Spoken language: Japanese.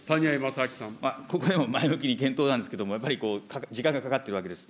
ここでも前向きに検討なんですけれども、やっぱり時間がかかっているわけです。